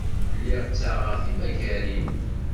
Lliɣ ttaɣeɣ timagarin.